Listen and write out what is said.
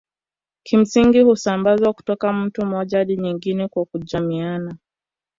kimsingi husambazwa kutoka mtu mmoja hadi mwingine kwa kujamiiana